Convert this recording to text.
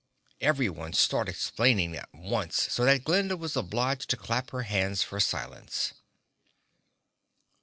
Everyone started explaining at once so that Glinda was obliged to clap her hands for silence.